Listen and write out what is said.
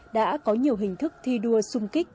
đã có nhiều hình thức thi đua xung kích